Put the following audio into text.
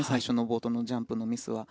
冒頭のジャンプのミスは。